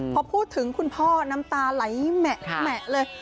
พอพูดถึงคุณพ่อน้ำตาไหลแหมะเลย